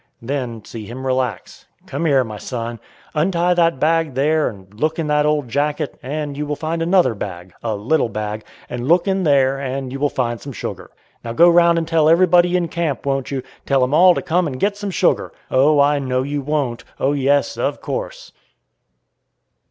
Then see him relax. "Come here, my son; untie that bag there, and look in that old jacket, and you will find another bag, a little bag, and look in there and you will find some sugar. Now go round and tell everybody in camp, won't you. Tell 'em all to come and get some sugar. _Oh! I know you won't. Oh yes, of course!